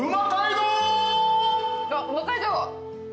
「うま街道！」